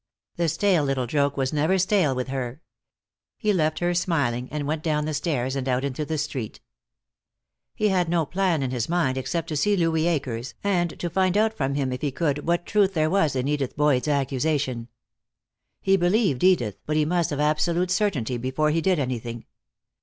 The stale little joke was never stale with her. He left her smiling, and went down the stairs and out into the street. He had no plan in his mind except to see Louis Akers, and to find out from him if he could what truth there was in Edith Boyd's accusation. He believed Edith, but he must have absolute certainty before he did anything.